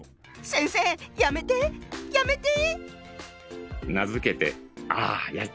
先生やめてやめて！